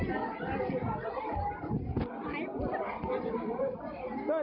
อยู่ใกล้โปรโกะ